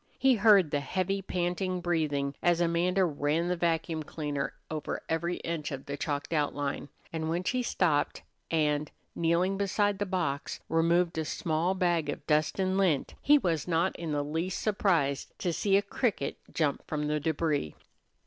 He heard the heavy, panting breathing as Amanda ran the vacuum cleaner over every inch of the chalked outline, and when she stopped and, kneeling beside the box, removed a small bag of dust and lint, he was not in the least surprised to see a cricket jump from the débris.